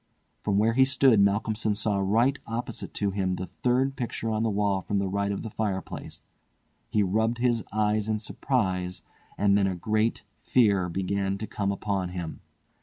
From where he stood, Malcolmson saw right opposite to him the third picture on the wall from the right of the fireplace. He rubbed his eyes in surprise, and then a great fear began to come upon him.